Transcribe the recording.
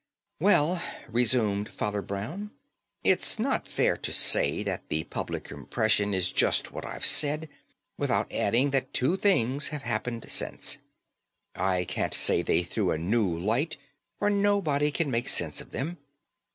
"Well," resumed Father Brown, "it's not fair to say that the public impression is just what I've said, without adding that two things have happened since. I can't say they threw a new light; for nobody can make sense of them.